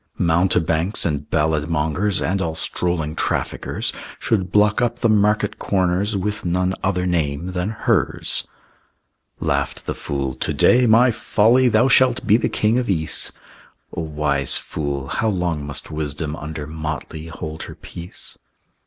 Mountebanks and ballad mongers And all strolling traffickers Should block up the market corners With none other name than hers. Laughed the fool, "To day, my Folly, Thou shalt be the king of Ys!" O wise fool! How long must wisdom Under motley hold her peace?